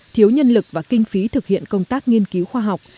thiếu nhân lực và kinh phí thực hiện công tác nghiên cứu khoa học